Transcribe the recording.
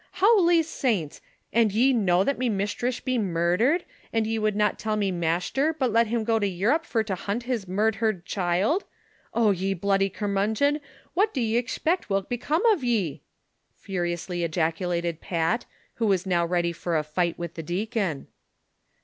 "Ilowly saints, an' ye know that me mishtress be mur dhered, an' ye would not tell me mashter, but let him go to Europe fur to hunt his murdhered child ; O, ye bloody curmudgon, what do ye expect will becom ov ye V " furi ously ejaculated Pat, who was now ready for a fight with the deacon.